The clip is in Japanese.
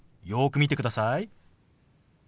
よく見てください。